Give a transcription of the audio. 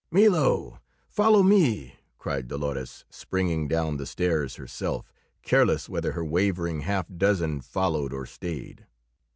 "Milo, follow me!" cried Dolores, springing down the stairs herself, careless whether her wavering half dozen followed or stayed.